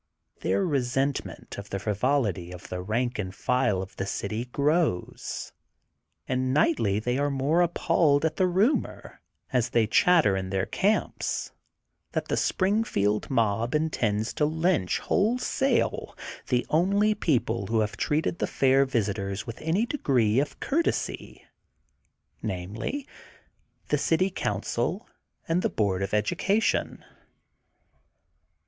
Their resentment of the frivolity of the rank and file of the city grows, and nightly they are the more appalled at the rumor as they chatter in their camps, that the Springfield mob intends to lynch whole sale the only people who have treated the Fair visitors with any degree of courtesy, namely: — ^the City Council and the Board of Education.